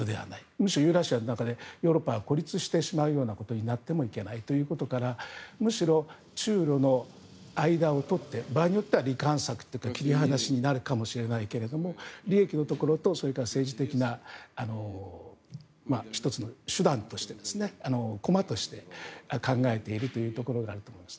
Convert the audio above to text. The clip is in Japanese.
むしろユーラシアの中でヨーロッパが孤立するようなことになってもいけないということからむしろ、中ロの間を取って場合によって離間策というか切り離しになるかもしれないけど利益のところと政治的な１つの手段としてコミットして考えているところがあると思います。